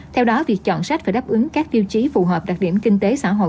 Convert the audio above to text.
theo đó việc chọn sách phải đáp ứng các tiêu chí phù hợp đặc điểm kinh tế xã hội